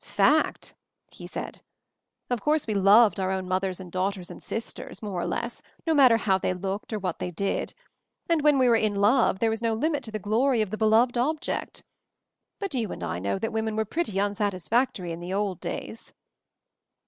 "Fact I" he said. "Of course, we loved our own mothers and daughters and sisters, more or less, no matter how they looked or what they did; and when we were "in love' there was no limit to the glory of 'the beloved object/ But you and I know that women were pretty unsatisfactory in the old days."